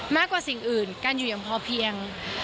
มากกว่าสิ่งอื่นการอยู่อย่างพอเพียง